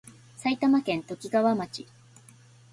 埼玉県ときがわ町